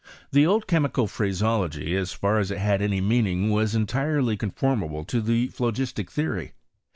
The old chemical phraseology as far as it had any meaning was entirely conformable to the phlogistic theory.